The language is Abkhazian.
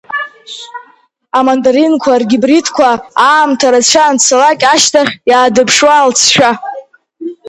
Амандаринқәа ргибридқәа аамҭа рацәа анцалак ашьҭахь иаадырԥшуа алҵшәа.